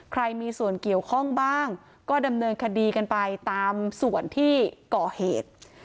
ใครมีส่วนเกี่ยวข้องบ้างก็ดำเนินคดีกันไปตามส่วนที่ก่อเหตุ